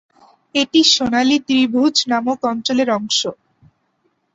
এটি সোনালী ত্রিভুজ নামক অঞ্চলের অংশ।